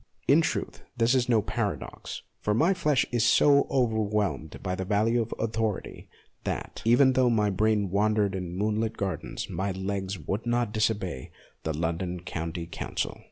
In 46 MONOLOGUES truth, this is no paradox, for my flesh is so overwhelmed by the value of authority, that, even though my brain wandered in moonlit gardens, my legs would not disobey the London County Council.